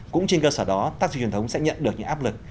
cũng trên cơ sở đó taxi truyền thống sẽ nhận được những áp lực